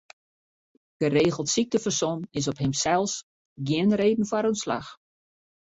Geregeld syktefersom is op himsels gjin reden foar ûntslach.